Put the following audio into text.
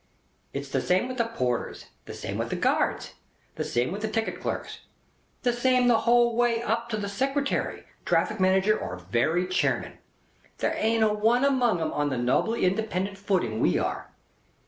It's the same with the porters, the same with the guards, the same with the ticket clerks, the same the whole way up to the secretary, traffic manager, or very chairman. There ain't a one among 'em on the nobly independent footing we are.